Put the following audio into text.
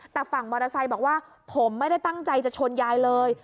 แต่ฝั่งมอเตอร์ไซค์บอกว่าผมไม่ได้ตั้งใจจะชนยายเลย